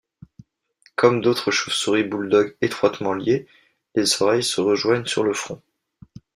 Comme d'autres chauves-souris bulldog étroitement liées, les oreilles se rejoignent sur le front.